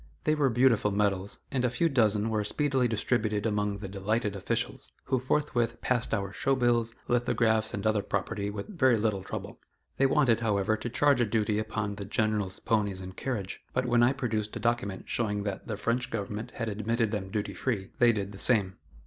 They were beautiful medals, and a few dozen were speedily distributed among the delighted officials, who forthwith passed our show bills, lithographs and other property with very little trouble. They wanted, however, to charge a duty upon the General's ponies and carriage, but when I produced a document showing that the French government had admitted them duty free, they did the same.